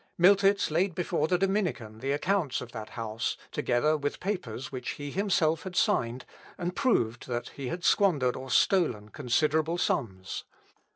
Miltitz laid before the Dominican the accounts of that house, together with papers which he himself had signed, and proved that he had squandered or stolen considerable sums.